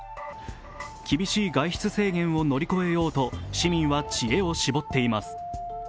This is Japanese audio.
厳しい外出制限を乗り越えようと市民は知恵を絞っています。